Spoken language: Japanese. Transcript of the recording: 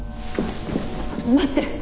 待って！